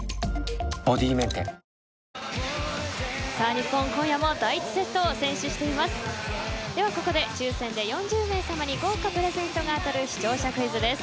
日本、今夜も第１セットを先取しています。